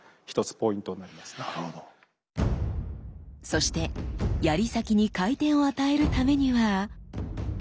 そして槍先に回転を与えるためには。